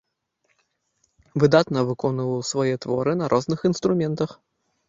Выдатна выконваў свае творы на розных інструментах.